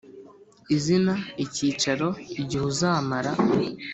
Izina icyicaro igihe uzamara